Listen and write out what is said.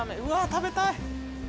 食べたい。